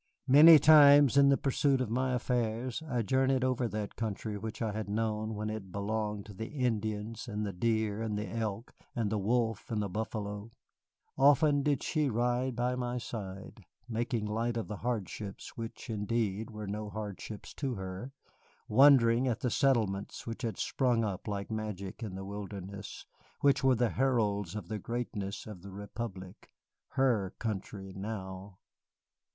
Many times in the pursuit of my affairs I journeyed over that country which I had known when it belonged to the Indian and the deer and the elk and the wolf and the buffalo. Often did she ride by my side, making light of the hardships which, indeed, were no hardships to her, wondering at the settlements which had sprung up like magic in the wilderness, which were the heralds of the greatness of the Republic, her country now.